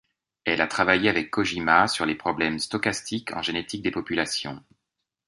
Elle a travaillé avec Kojima sur les problèmes stochastiques en génétique des populations.